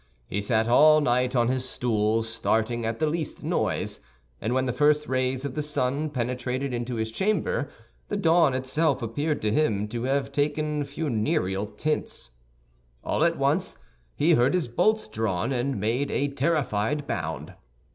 He sat all night on his stool, starting at the least noise; and when the first rays of the sun penetrated into his chamber, the dawn itself appeared to him to have taken funereal tints. All at once he heard his bolts drawn, and made a terrified bound.